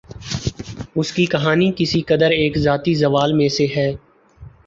اس کی کہانی کسی قدر ایک ذاتی زوال میں سے ہے